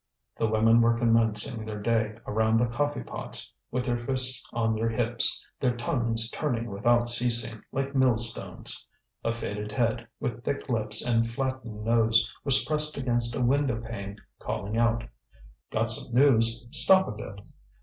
The women were commencing their day around the coffee pots, with their fists on their hips, their tongues turning without ceasing, like millstones. A faded head, with thick lips and flattened nose, was pressed against a window pane, calling out: "Got some news. Stop a bit."